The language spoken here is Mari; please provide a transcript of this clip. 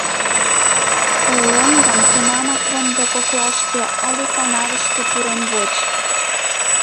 Ойлем гын, тунамак вондо коклашке але канавышке пурен воч!